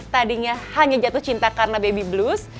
tadinya hanya jatuh cinta karena baby blues